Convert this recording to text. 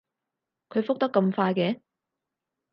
佢覆得咁快嘅